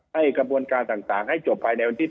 ให้กระบวนการต่างให้จบภายในวันที่๑